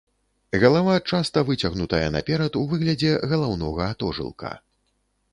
Галава часта выцягнутая наперад у выглядзе галаўнога атожылка.